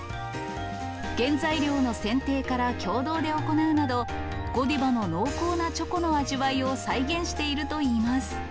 原材料の選定から共同で行うなど、ゴディバの濃厚なチョコの味わいを再現しているといいます。